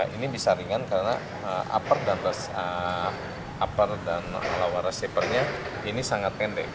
ini bisa ringan karena upper dan lower receiver nya ini sangat pendek